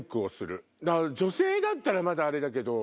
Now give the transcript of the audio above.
女性だったらまだあれだけど。